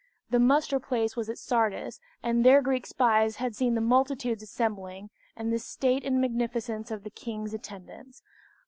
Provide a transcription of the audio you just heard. The muster place was at Sardis, and there Greek spies had seen the multitudes assembling and the state and magnificence of the king's attendants.